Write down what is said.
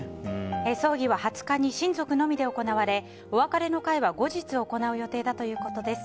葬儀は２０日に親族のみで行われお別れの会は後日行う予定だということです。